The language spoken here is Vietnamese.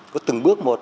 có từng bước một